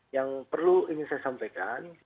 yang perlu ingin saya sampaikan